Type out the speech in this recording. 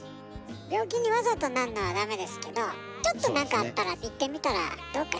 病気にわざとなるのはダメですけどちょっとなんかあったら行ってみたらどうかしらね。